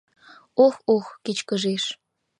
Ох, ох, — кечкыжеш.